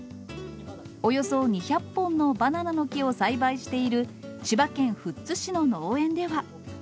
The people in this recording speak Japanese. およそ２００本のバナナの木を栽培している千葉県富津市の農園では。